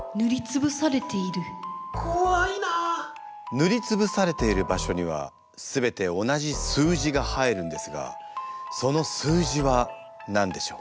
塗り潰されている場所には全て同じ数字が入るんですがその数字は何でしょう？